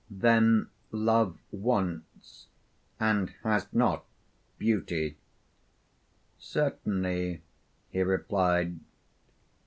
Then Love wants and has not beauty? Certainly, he replied.